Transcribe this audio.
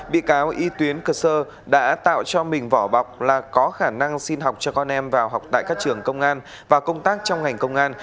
bị cáo y tuyến cơ sơ đã tạo cho mình vỏ bọc là có khả năng xin học cho con em vào học tại các trường công an và công tác trong ngành công an